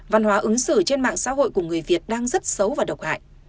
văn hóa ứng xử trên mạng xã hội của người việt đang rất xấu và độc hại